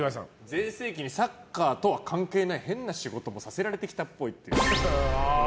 全盛期にサッカーとは関係ない変な仕事もさせられてきたっぽい。